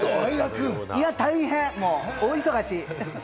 いや大変、大忙し！